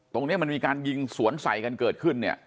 ตรงนี้มันมีการยิงสวนใส่กันเกิดขึ้นเนี่ย